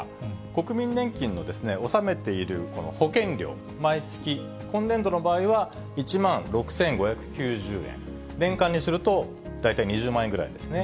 国民年金の納めている保険料、毎月、今年度の場合は１万６５９０円、年間にすると、大体２０万円ぐらいですね。